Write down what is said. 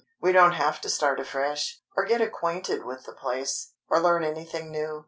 We don't have to start afresh, or get acquainted with the place, or learn anything new.